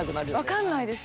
分かんないです。